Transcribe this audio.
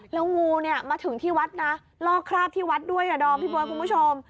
แล้วงูเนี่ยมาถึงที่วัดนะลอกคราบที่วัดด้วยอ่ะดอมพี่เบิร์ดคุณผู้ชม